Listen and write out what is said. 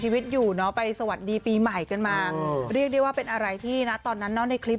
ชีวิตอยู่เนอะไปสวัสดีปีใหม่กันมาเรียกได้ว่าเป็นอะไรที่นะตอนนั้นเนอะในคลิป